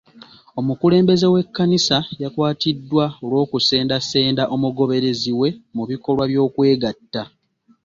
Omukulembeze w'ekkanisa yakwatiddwa olw'okusendasenda omugoberezi we mu bikolwa eby'okwegatta.